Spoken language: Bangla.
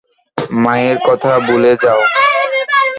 মায়ের কথা ভুলে যাও।